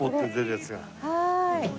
はい。